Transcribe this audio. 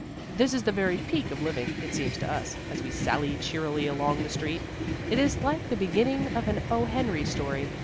This is the very peak of living, it seems to us, as we sally cheerily along the street. It is like the beginning of an O. Henry story.